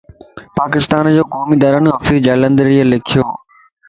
پاڪستانَ جو قومي ترانو حفيظ جالندھريءَ لکيووَ